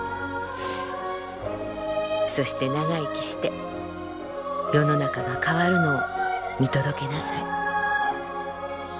「そして長生きして世の中が変わるのを見届けなさい」。